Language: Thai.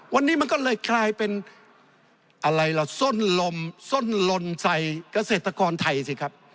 วันนี้มันก็เลยกลายเป็นอะไรล่ะส้นลมส้นลนใส่เกษตรกรไทยสิครับ